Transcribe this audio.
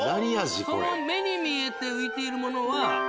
目に見えて浮いているものは。